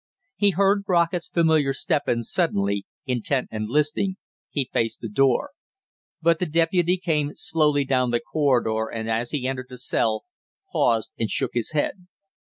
He heard Brockett's familar step and suddenly, intent and listening, he faced the door; but the deputy came slowly down the corridor and as he entered the cell, paused, and shook his head.